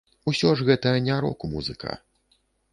Усё ж, гэта не рок-музыка.